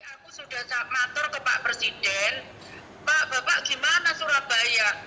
aku sudah mator ke pak presiden pak bapak gimana surabaya